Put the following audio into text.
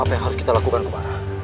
apa yang harus kita lakukan bapak alang